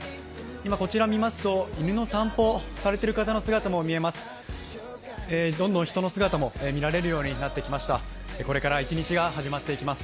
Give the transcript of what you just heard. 今こちら見ますと犬の散歩をされている方の姿も見られます。